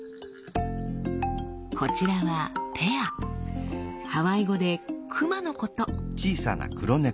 こちらはハワイ語で「熊」のこと。